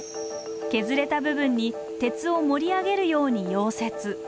削れた部分に鉄を盛り上げるように溶接。